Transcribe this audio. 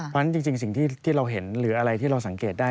เพราะฉะนั้นจริงสิ่งที่เราเห็นหรืออะไรที่เราสังเกตได้